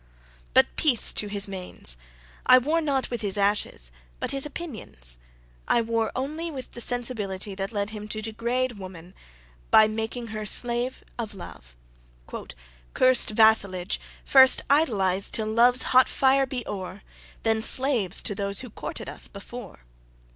But peace to his manes! I war not with his ashes, but his opinions. I war only with the sensibility that led him to degrade woman by making her the slave of love. ...."Curs'd vassalage, First idoliz'd till love's hot fire be o'er, Then slaves to those who courted us before."